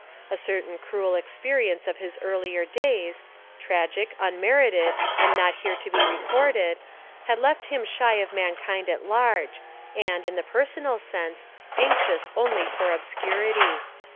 A certain cruel experience of his earlier days — tragic, unmer ited and not here to be recorded, — had left him shy of mankind at large and, in the per sonal sense, anxious only for obscurity.